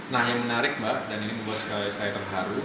nah yang menarik mbak dan ini membuat saya terharu